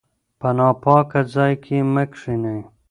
په ناپاکه ځای کې مه کښینئ.